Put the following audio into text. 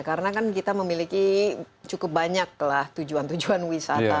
karena kan kita memiliki cukup banyaklah tujuan tujuan wisata